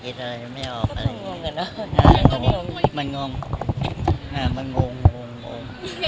คิดอะไรไม่ทันเขาไม่ออกมันงตรแหวนหนู